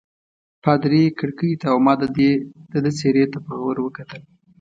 پادري کړکۍ ته او ما د ده څېرې ته په غور وکتل.